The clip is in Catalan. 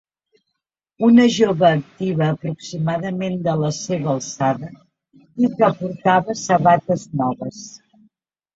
Una jove activa aproximadament de la seva alçada i que portava sabates noves.